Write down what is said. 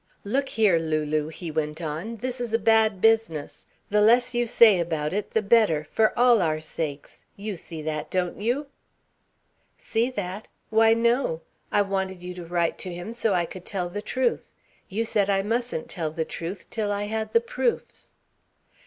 "Look here, Lulu," he went on, "this is a bad business. The less you say about it the better, for all our sakes you see that, don't you?" "See that? Why, no. I wanted you to write to him so I could tell the truth. You said I mustn't tell the truth till I had the proofs